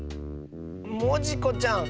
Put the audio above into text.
モジコちゃん。